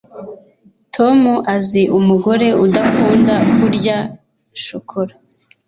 Tom azi umugore udakunda kurya shokora